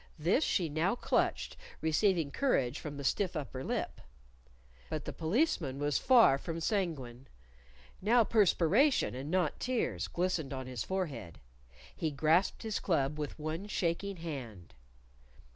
This she now clutched, receiving courage from the stiff upper lip. But the Policeman was far from sanguine. Now perspiration and not tears glistened on his forehead. He grasped his club with one shaking hand.